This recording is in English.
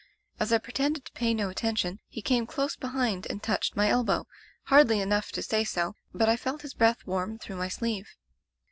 As I pretended to pay no attention, he came close behind and touched my elbow, hardly enough to say so, but I felt his breath warm through my sleeve.